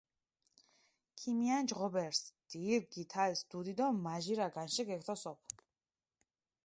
ქიმიანჭჷ ღობერს, დირგჷ გითალს დუდი დო მაჟირა განშე გეგთოსოფჷ.